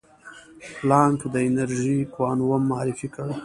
پلانک د انرژي کوانوم معرفي کړ.